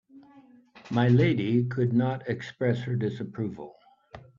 My lady could not express her disapproval.